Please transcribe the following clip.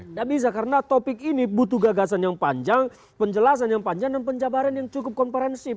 tidak bisa karena topik ini butuh gagasan yang panjang penjelasan yang panjang dan penjabaran yang cukup komprehensif